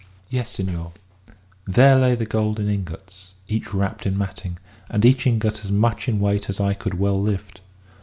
Yes, senor; there lay the gold in ingots, each wrapped in matting, and each ingot as much in weight as I could well lift.